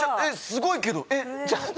すごいけどえっ。